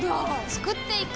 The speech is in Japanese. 創っていく！